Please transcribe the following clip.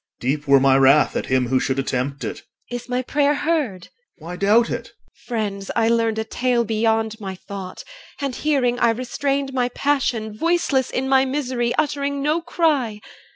OR. Deep were my wrath at him who should attempt it. EL. Is my prayer heard? OR. Why doubt it? EL. Friends, I learned A tale beyond my thought; and hearing I restrained My passion, voiceless in my misery, Uttering no cry.